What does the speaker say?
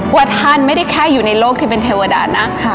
ว่าท่านไม่ได้แค่อยู่ในโลกที่เป็นเทวดานะ